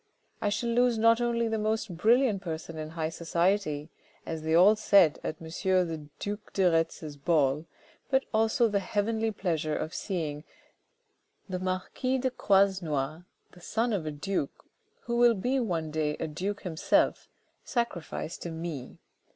I shall lose not only the most brilliant person in high society, as they all said at M. the duke de Retz's ball, but also the heavenly pleasure of seeing the marquis de Croisenois, the son of a duke, who will be one day a duke himself, sacrificed to me.